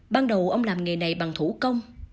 ban đầu ông làm nghề này bằng thủ công